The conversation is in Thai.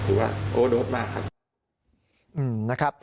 ถือว่าโอเวอร์โดสมากครับ